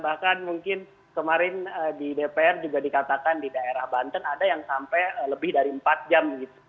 bahkan mungkin kemarin di dpr juga dikatakan di daerah banten ada yang sampai lebih dari empat jam gitu